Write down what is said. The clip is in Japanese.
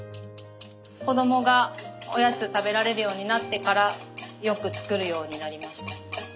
子どもがおやつ食べられるようになってからよく作るようになりました。